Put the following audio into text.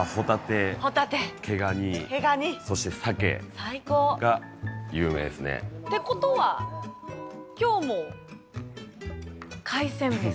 ホタテ、毛ガニ、そしてサケが有名ですね。ってことは、きょうも海鮮物を？